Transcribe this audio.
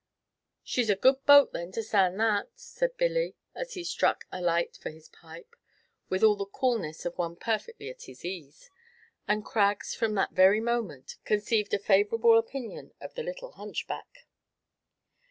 "She's a good boat, then, to stand that," said Billy, as he struck a light for his pipe, with all the coolness of one perfectly at his ease; and Craggs, from that very moment, conceived a favorable opinion of the little hunchback.